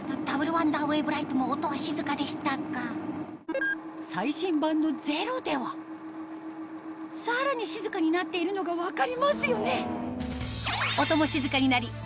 ワンダーウェーブライトも音は静かでしたが最新版のゼロではさらに静かになっているのが分かりますよね